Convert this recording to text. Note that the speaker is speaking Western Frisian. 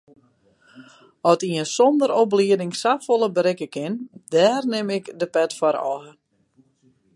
At ien sonder oplieding safolle berikke kin, dêr nim ik de pet foar ôf.